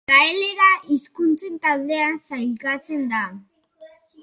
Gaelera hizkuntzen taldean sailkatzen da.